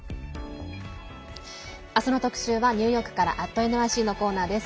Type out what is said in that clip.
明日の特集はニューヨークから「＠ｎｙｃ」のコーナーです。